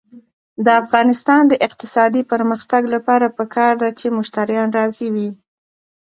د افغانستان د اقتصادي پرمختګ لپاره پکار ده چې مشتریان راضي وي.